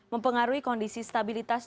mempengaruhi kondisi stabilitas